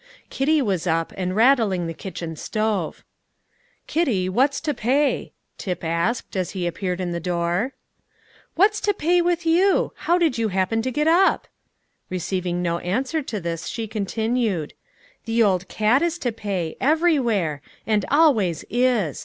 Kitty was up, and rattling the kitchen stove. "Kitty, what's to pay?" Tip asked, as he appeared in the door. "What's to pay with you? How did you happen to get up?" Receiving no answer to this, she continued, "The old cat is to pay, everywhere, and always is!